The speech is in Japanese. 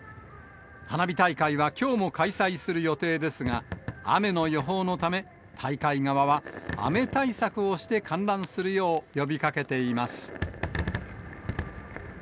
花火大会はきょうも開催する予定ですが、雨の予報のため大会側は、雨対策をして観覧するよう呼びかけています。